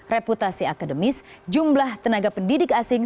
reputasi akademis jumlah tenaga pendidik asing